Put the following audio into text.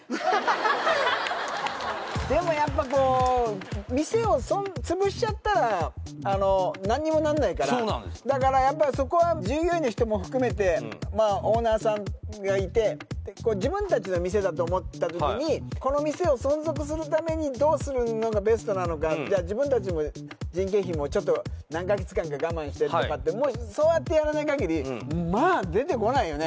でもやっぱこう店をつぶしちゃったらあの何にもなんないからそうなんですだからやっぱりそこは従業員の人も含めてまあオーナーさんがいて自分達の店だと思った時にこの店を存続するためにどうするのがベストなのかじゃあ自分達も人件費もちょっと何か月間か我慢してとかってそうやってやらない限りまあ出てこないよね